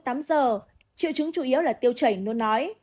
triệu chứng chủ yếu là tiêu chảy nó nói